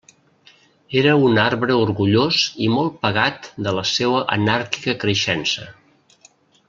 Era un arbre orgullós i molt pagat de la seua anàrquica creixença.